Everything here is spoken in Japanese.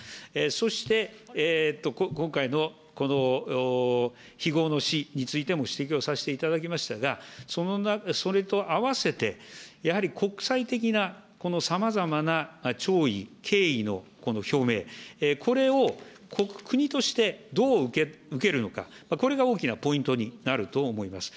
そして、今回のこの非業の死についても指摘をさせていただきましたが、それと合わせて、やはり国際的な、このさまざまな弔意、敬意のこの表明、これを国としてどう受けるのか、これが大きなポイントになると思います。